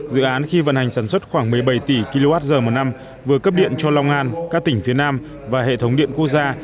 dự án khi vận hành sản xuất khoảng một mươi bảy tỷ kwh một năm vừa cấp điện cho long an các tỉnh phía nam và hệ thống điện quốc gia